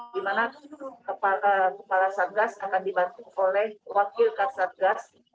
di mana kepala satgas akan dibantu oleh wakil kasatgas